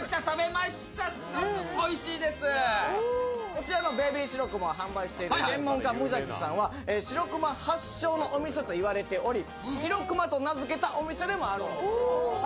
こちらのベビー白熊を販売している天文館むじゃきさんは白熊発祥のお店といわれており白熊と名付けたお店でもあるんです。